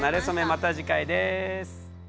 また次回です。